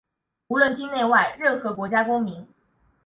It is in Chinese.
无论境内外、任何国家公民